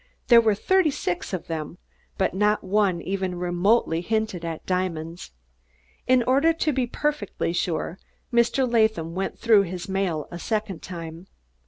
There were thirty six of them, but not one even remotely hinted at diamonds. In order to be perfectly sure, Mr. Latham went through his mail a second time.